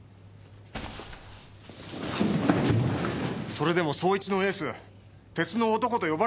それでも捜一のエース鉄の男と呼ばれた人間か！？